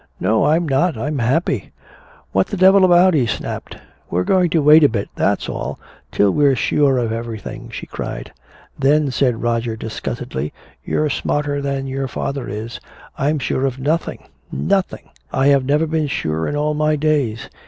"No, I'm not I'm happy!" "What the devil about?" he snapped. "We're going to wait a bit, that's all, till we're sure of everything!" she cried. "Then," said Roger disgustedly, "you're smarter than your father is. I'm sure of nothing nothing! I have never been sure in all my days!